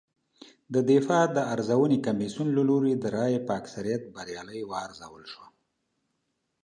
د دفاع د ارزونې کمېسیون له لوري د رایو په اکثریت بریالۍ وارزول شوه